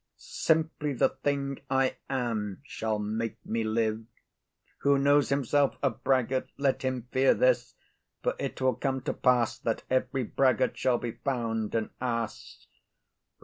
Simply the thing I am Shall make me live. Who knows himself a braggart, Let him fear this; for it will come to pass That every braggart shall be found an ass.